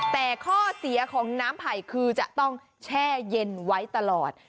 แต่ข้อเสียของน้ำไผ่คือจะต้องแช่เย็นไว้ตลอด